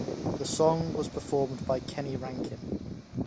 The song was performed by Kenny Rankin.